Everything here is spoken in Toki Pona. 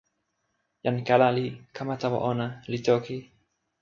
jan kala li kama tawa ona, li toki: